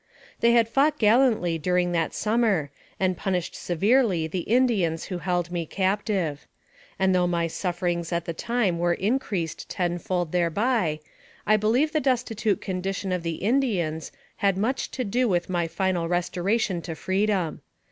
They had fought gallantly during that summer, and punished severely the Indians who held me captive; and though my sufferings at the time were increased tenfold thereby, I believe the destitute condition of the Indians had much to do with my final restoration to freedom.